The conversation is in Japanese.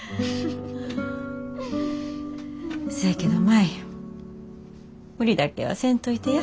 せやけど舞無理だけはせんといてや。